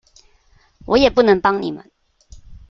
我也不能幫你們